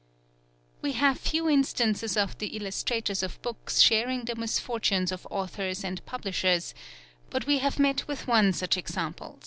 We have few instances of the illustrators of books sharing the misfortunes of authors and publishers, but we have met with one such example.